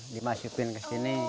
dimasukin ke sini